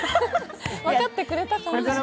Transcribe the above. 分かってくれたかな。